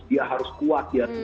dia harus kuat